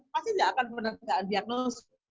pasti nggak akan benar benar diagnos